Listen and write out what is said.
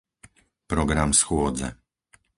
Program schôdze